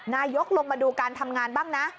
นายกลงมาดูการทำงานบ้างนะ